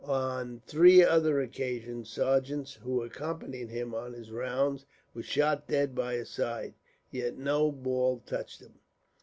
On three other occasions sergeants, who accompanied him on his rounds, were shot dead by his side. Yet no ball touched him.